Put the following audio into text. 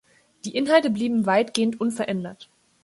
Die Inhalte blieben weitgehend unverändert.